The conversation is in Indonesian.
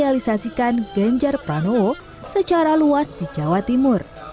sosialisasikan ganjar pranowo secara luas di jawa timur